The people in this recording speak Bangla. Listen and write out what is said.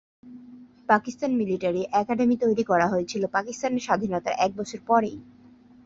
পাকিস্তান মিলিটারি একাডেমি তৈরি করা হয়েছিলো পাকিস্তানের স্বাধীনতার এক বছর পরেই।